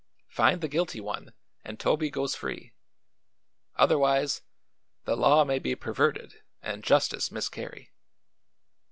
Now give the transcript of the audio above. Find the guilty one and Toby goes free. Otherwise the law may be perverted and justice miscarry."